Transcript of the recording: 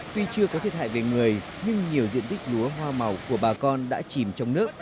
tuy chưa có thiệt hại về người nhưng nhiều diện tích lúa hoa màu của bà con đã chìm trong nước